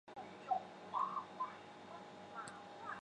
玛姬是一个十几岁的不良少女。